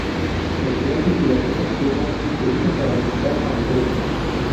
Los brotes y las hojas tiernas se usan para alimentar a los ciervos.